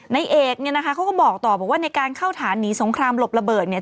ในเอกเนี่ยนะคะเขาก็บอกต่อบอกว่าในการเข้าฐานหนีสงครามหลบระเบิดเนี่ย